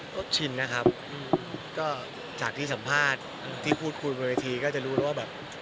ก็ชินนะครับก็จากที่สัมภาษณ์ที่พูดคุยบนเวทีก็จะรู้ว่าแบบ